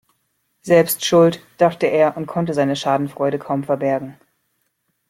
Selbst schuld, dachte er und konnte seine Schadenfreude kaum verbergen.